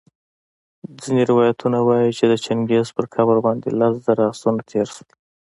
ځیني روایتونه وايي چي د چنګیز په قبر باندي لس زره آسونه تېرسول